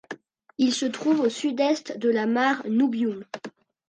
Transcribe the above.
Il se trouve au sud-est de la Mare Nubium.